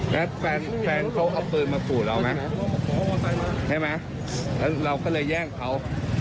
แล้วแฟนแฟนเขาเอาปืนมาขู่เราไหมใช่ไหมแล้วเราก็เลยแย่งเขา